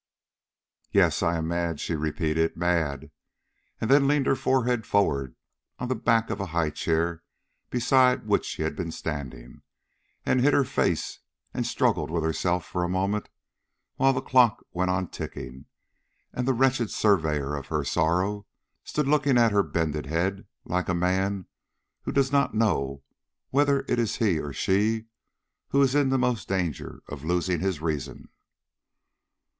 "Yes, I am mad," she repeated "mad!" and leaned her forehead forward on the back of a high chair beside which she had been standing, and hid her face and struggled with herself for a moment, while the clock went on ticking, and the wretched surveyer of her sorrow stood looking at her bended head like a man who does not know whether it is he or she who is in the most danger of losing his reason.